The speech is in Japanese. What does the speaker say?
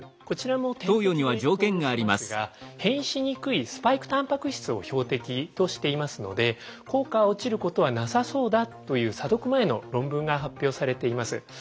こちらも点滴で投与しますが変異しにくいスパイクタンパク質を標的としていますので効果は落ちることはなさそうだという査読前の論文が発表されています。